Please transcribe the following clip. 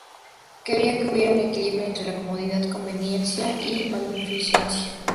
Quiera que hubiera un equilibrio entre comodidad, conveniencia, y magnificencia.